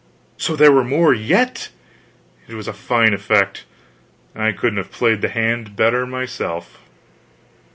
So there were more yet! It was a fine effect. I couldn't have played the hand better myself.